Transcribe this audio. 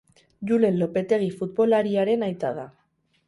Julen Lopetegi futbolariaren aita da.